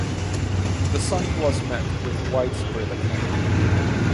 The song was met with widespread acclaim.